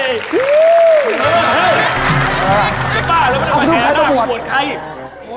ต้องการคอลลาเจนฉันก็ต้องการคอลลาเจน